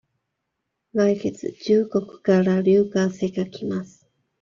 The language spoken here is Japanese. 来月中国から留学生が来ます。